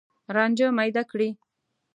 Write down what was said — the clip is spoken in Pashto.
رانجه میده کړي